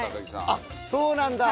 あっそうなんだ。